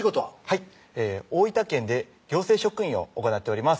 はい大分県で行政職員を行っております